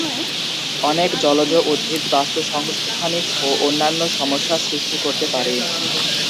অনেক জলজ উদ্ভিদ বাস্ত্তসংস্থানিক ও অন্যান্য সমস্যা সৃষ্টি করতে পারে।